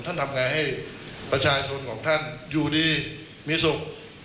ทำไงให้ประชาชนของท่านอยู่ดีมีสุข